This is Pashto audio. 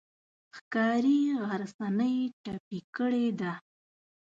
ښکاري غرڅنۍ ټپي کړې ده.